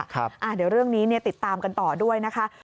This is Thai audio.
เดี๋ยวเรื่องนี้ติดตามกันต่อด้วยนะคะ